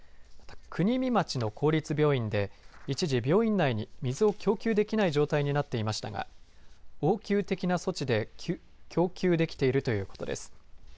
国見町の公立病院で一時、病院内に水を供給できない状態になっていましたが応急的な措置で供給できているということです。